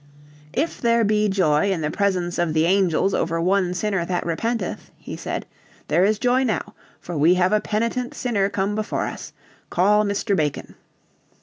"If there be joy in the presence of the angels over one sinner that repenteth," he said, "there is joy now, for we have a penitent sinner come before us. Call Mr. Bacon."